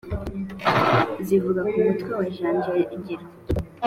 zivuga ku mutwe wa janjagiro